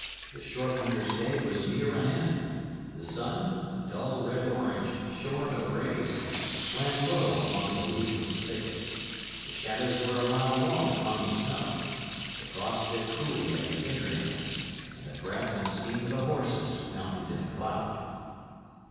The short winter's day was near an end; the sun, a dull red orange, shorn of rays, swam low among the leafless thickets; the shadows were a mile long upon the snow; the frost bit cruelly at the finger nails; and the breath and steam of the horses mounted in a cloud.